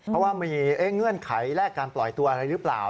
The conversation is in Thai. เพราะว่ามีเงื่อนไขแลกการปล่อยตัวอะไรหรือเปล่า